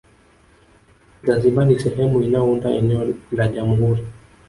Zanzibar ni sehemu inayounda eneo la Jamhuri